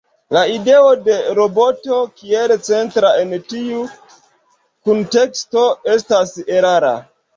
La ideo de roboto kiel centra en tiu kunteksto estas erara.